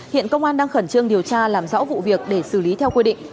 hiện công an đang khẩn trương điều tra làm rõ vụ việc để xử lý theo quy định